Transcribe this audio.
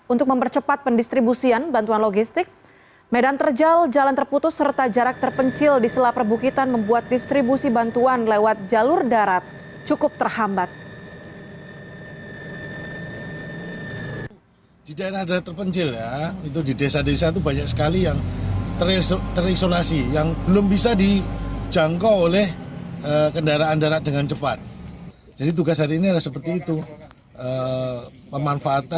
untuk mempercepat pendistribusian bantuan logistik medan terjal jalan terputus serta jarak terpencil di selap rebukitan membuat distribusi bantuan lewat jalur darat cukup terhambat